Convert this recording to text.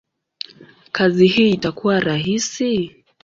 kazi hii itakuwa rahisi?